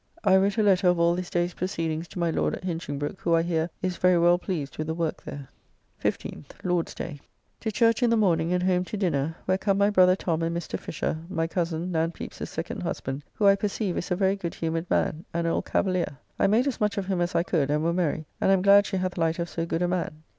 I writ a letter of all this day's proceedings to my Lord, at Hinchingbroke, who, I hear, is very well pleased with the work there. 15th (Lord's day). To church in the morning and home to dinner, where come my brother Tom and Mr. Fisher, my cozen, Nan Pepys's second husband, who, I perceive, is a very good humoured man, an old cavalier. I made as much of him as I could, and were merry, and am glad she hath light of so good a man.